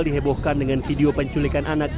dihebohkan dengan video penculikan anak